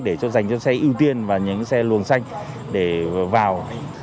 để cho dành cho xe ưu tiên và những xe luồng xanh để vào